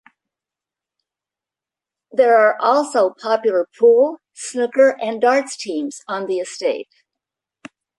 There are also popular pool, snooker and darts teams on the estate.